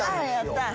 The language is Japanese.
やった。